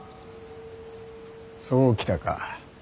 そう来たか。